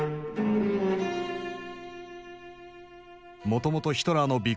もともとヒトラーの鼻